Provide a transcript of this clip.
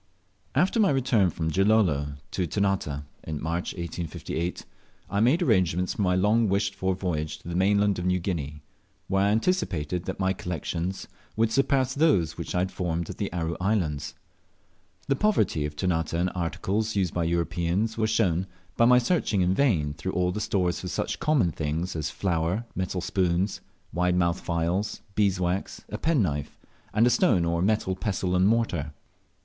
AFTER my return from Gilolo to Ternate, in March 1858, I made arrangements for my long wished for voyage to the mainland of New Guinea, where I anticipated that my collections would surpass those which I had formed at the Aru Islands. The poverty of Ternate in articles used by Europeans was shown, by my searching in vain through all the stores for such common things as flour, metal spoons, wide mouthed phials, beeswax, a penknife, and a stone or metal pestle and mortar.